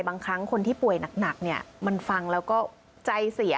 บางครั้งคนที่ป่วยหนักเนี่ยมันฟังแล้วก็ใจเสีย